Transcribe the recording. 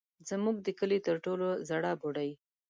زموږ د کلي تر ټولو زړه بوډۍ.